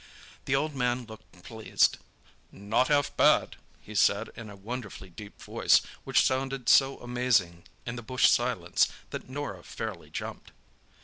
The old man looked pleased "Not half bad!" he said aloud, in a wonderfully deep voice, which sounded so amazing in the bush silence that Norah fairly jumped.